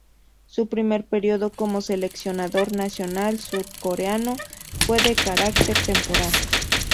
Su primer período como seleccionador nacional surcoreano, fue de carácter temporal.